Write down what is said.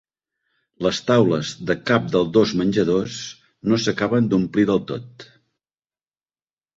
Les taules de cap dels dos menjadors no s'acaben d'omplir del tot.